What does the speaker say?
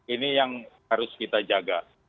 ini yang harus kita jaga